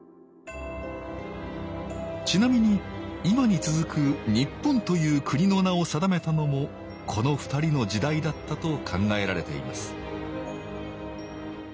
ちなみに今に続く「日本」という国の名を定めたのもこの２人の時代だったと考えられています